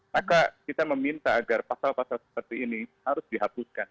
maka kita meminta agar pasal pasal seperti ini harus dihapuskan